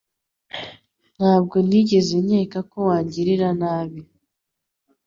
Ntabwo nigeze nkeka ko wangirira nabi